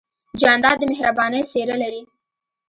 جانداد د مهربانۍ څېرہ لري.